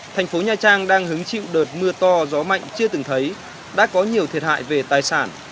thành phố nha trang đang hứng chịu đợt mưa to gió mạnh chưa từng thấy đã có nhiều thiệt hại về tài sản